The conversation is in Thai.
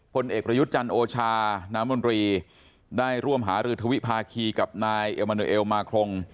เอกประยุทธ์จันทร์โอชาน้ำมนตรีได้ร่วมหารือทวิภาคีกับนายเอลมาโนเอลมาครง